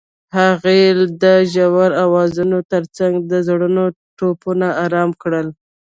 هغې د ژور اوازونو ترڅنګ د زړونو ټپونه آرام کړل.